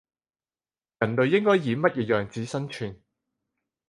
人類應該以乜嘢樣子生存